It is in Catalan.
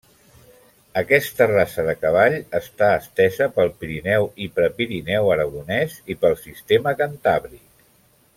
Aquesta raça de cavall està estesa pel Pirineu i Prepirineu aragonès i pel Sistema Cantàbric.